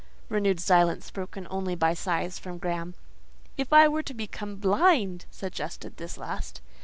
(renewed silence, broken only by sighs from Graham.) "If I were to become blind——?" suggested this last.